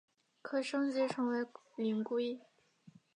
可升级成为灵龟。